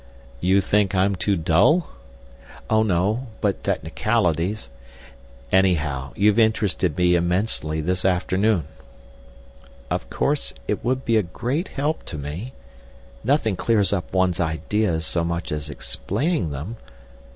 "You think I'm too dull?" "Oh, no; but technicalities—" "Anyhow, you've interested me immensely this afternoon." "Of course it would be a great help to me. Nothing clears up one's ideas so much as explaining them.